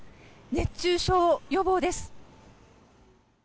熱中症予防です。